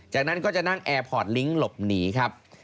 จากนั้นก็จะนั่งแอร์พอร์ตลิงค์หลบหนีครับ